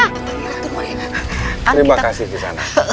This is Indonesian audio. terima kasih di sana